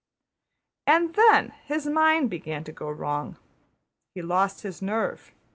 And then his mind began to go wrong. He lost his nerve.